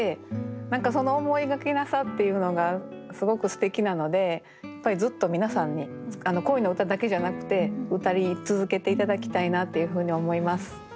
何かその思いがけなさっていうのがすごくすてきなのでやっぱりずっと皆さんに恋の歌だけじゃなくてうたい続けて頂きたいなっていうふうに思います。